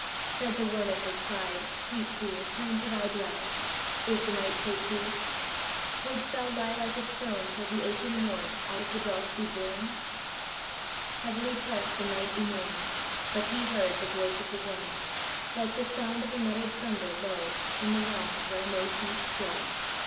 Said the worm at his side, Sweet fool, Turn to thy bride; Is the night so cool? Wouldst thou lie like a stone till the aching morn Out of the dark be born? Heavily pressed the night enorm, But he heard the voice of the worm, Like the sound of a muttered thunder low, In the realms where no feet go.